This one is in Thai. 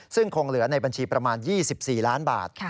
ซึ่งคงเหลือในบัญชีประมาณ๒๔ล้านบาท